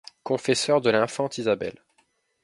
Confesseur de l'infante Isabelle.